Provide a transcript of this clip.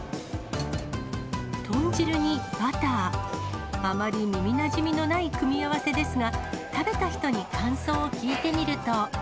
豚汁にバター、あまり耳なじみのない組み合わせですが、食べた人に感想を聞いてみると。